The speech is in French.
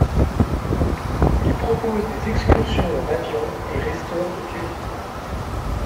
Il propose des excursions en avion et restaure de vieux biplans.